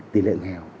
tỷ lệ nghèo